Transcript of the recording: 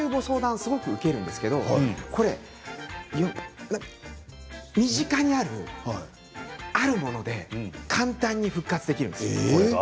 すごく受けるんですけど身近にあるあるもので簡単に復活できるんです。